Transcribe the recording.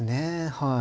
はい。